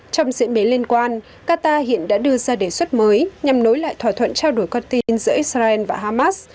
trong diễn biến liên quan qatar hiện đã đưa ra đề xuất mới nhằm nối lại thỏa thuận trao đổi con tin giữa israel và hamas